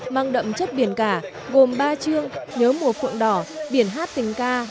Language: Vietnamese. mang đậm chất biển cả gồm ba chương nhớ mùa phượng đỏ biển hát tình ca